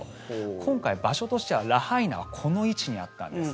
今回、場所としてはラハイナはこの位置にあったんです。